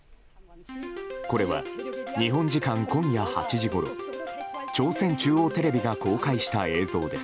これは、日本時間今夜８時ごろ朝鮮中央テレビが公開した映像です。